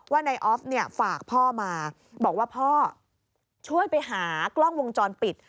ว่านายออฟเนี่ยฝากพ่อมาบอกว่าพ่อช่วยไปหากล้องวงจรปิด